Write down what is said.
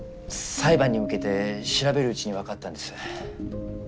裁判に向けて調べるうちにわかったんです。